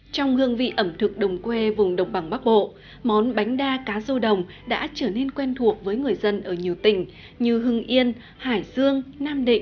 trong hương vị ẩm thực đồng quê vùng đồng bằng bắc bộ món bánh đa cá rô đồng đã trở nên quen thuộc với người dân ở nhiều tỉnh như hưng yên hải dương nam định